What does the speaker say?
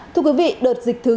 thưa quý vị đợt dịch thứ bốn